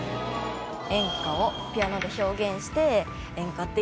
演歌をピアノで表現して演歌っていいなって。